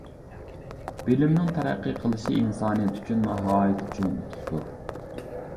بىلىمنىڭ تەرەققىي قىلىشى ئىنسانىيەت ئۈچۈن ناھايىتى چوڭ ئۇتۇقتۇر.